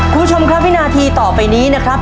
คุณผู้ชมครับวินาทีต่อไปนี้นะครับ